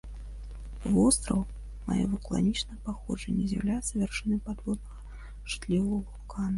Востраў мае вулканічнае паходжанне, з'яўляецца вяршыняй падводнага шчытавога вулкана.